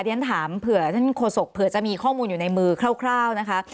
เรียนถามเผื่อท่านโฆษกเผื่อจะมีข้อมูลอยู่ในมือคร่าวนะคะ